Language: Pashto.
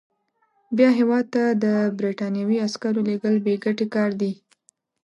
بیا هیواد ته د برټانوي عسکرو لېږل بې ګټې کار دی.